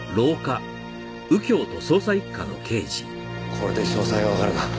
これで詳細がわかるな。